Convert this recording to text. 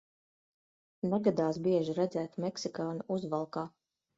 Negadās bieži redzēt meksikāni uzvalkā.